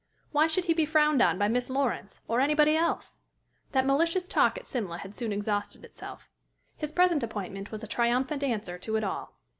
Why should he be frowned on by Miss Lawrence, or anybody else? That malicious talk at Simla had soon exhausted itself. His present appointment was a triumphant answer to it all.